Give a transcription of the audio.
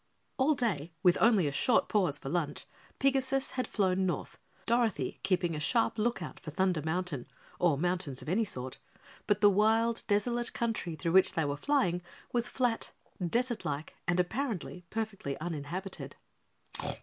All day, with only a short pause for lunch, Pigasus had flown north, Dorothy keeping a sharp lookout for Thunder Mountain or mountains of any sort, but the wild, desolate country through which they were flying was flat, desert like and apparently perfectly uninhabited.